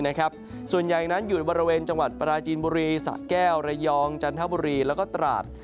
ส่วนใหญ่นั้นอยู่ในบริเวณจังหวัดปราจีนบุรีสะแก้วระยองจันทบุรีแล้วก็ตราด